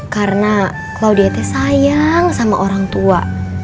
karena claudia itu sayang sama orang tua